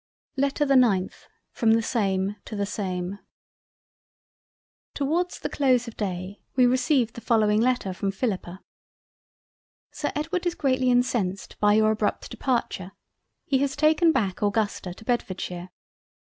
LETTER the 9th From the same to the same Towards the close of the day we received the following Letter from Philippa. "Sir Edward is greatly incensed by your abrupt departure; he has taken back Augusta to Bedfordshire.